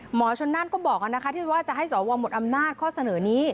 หมอชนนั่นก็บอกนะคะที่ว่าจะให้สวหมดอำนาจข้อเสนอนี้